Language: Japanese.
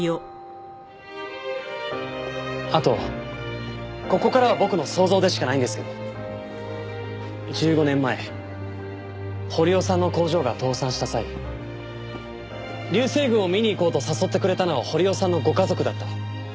あとここからは僕の想像でしかないんですけど１５年前堀尾さんの工場が倒産した際流星群を見に行こうと誘ってくれたのは堀尾さんのご家族だった。